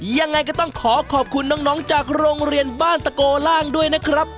ยังไงก็ต้องขอขอบคุณน้องจากโรงเรียนบ้านตะโกล่างด้วยนะครับ